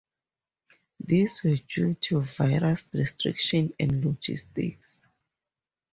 These were due to "various restrictions and logistics".